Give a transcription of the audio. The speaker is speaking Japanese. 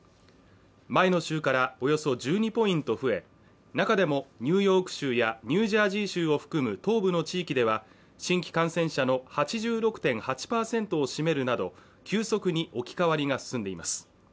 前の週からおよそ１２ポイント増え中でもニューヨーク州やニュージャージー州を含む東部の地域では新規感染者の８６．８％を占めるなど、急速に置き換わりが進んでいます。